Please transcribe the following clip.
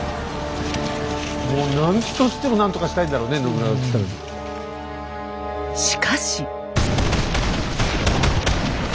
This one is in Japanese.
もう何としても何とかしたいんだろうね信長としたら。